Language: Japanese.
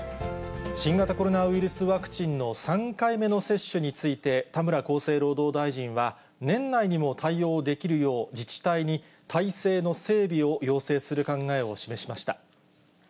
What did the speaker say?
新型コロナウイルスワクチンの３回目の接種について、田村厚生労働大臣は、年内にも対応できるよう、自治体に体制の整備を要請する考えを示しました。